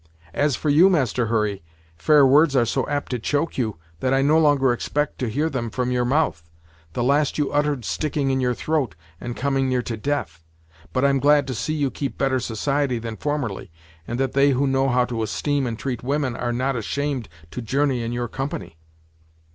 "As for you, Master Hurry, fair words are so apt to choke you, that I no longer expect to hear them from your mouth; the last you uttered sticking in your throat, and coming near to death. But I'm glad to see you keep better society than formerly, and that they who know how to esteem and treat women are not ashamed to journey in your company."